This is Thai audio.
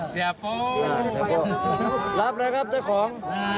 แจกโป้รับแล้วครับเจ้าของ